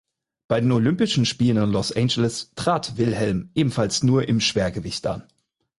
Bei den Olympischen Spielen in Los Angeles trat Wilhelm ebenfalls nur im Schwergewicht an.